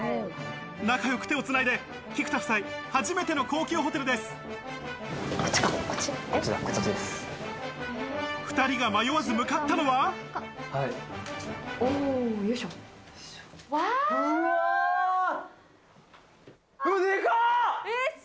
仲良く手をつないで菊田夫妻、初めての高級ホテルです。